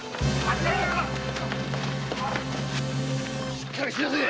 しっかりしなせえ！